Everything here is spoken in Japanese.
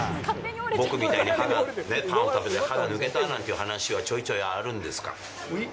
僕みたいに鋼、パンを食べて、歯が抜けたなんていう話はちょいちょいあるんですか？